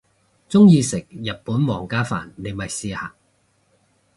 鍾意食日本皇家飯你咪試下